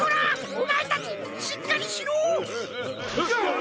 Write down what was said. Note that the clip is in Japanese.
おまえたちしっかりしろっ！